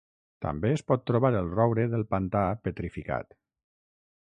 També es pot trobar el roure del pantà petrificat.